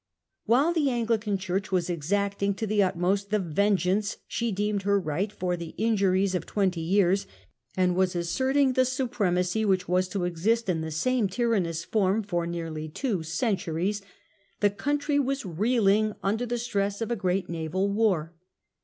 While the Anglican Church was exacting to the ut most the vengeance she deemed her right for the injuries of twenty years, and was asserting the supremacy which was to exist in the same tyrannous form for nearly two centuries, the country was reeling under the stress of a great naval war.